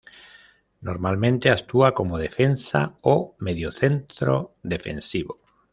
Normalmente actúa como defensa o mediocentro defensivo.